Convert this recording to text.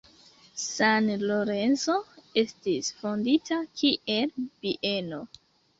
San Lorenzo estis fondita kiel bieno.